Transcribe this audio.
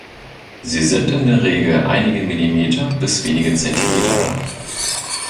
Sie sind in der Regel einige Millimeter bis wenige Zentimeter lang.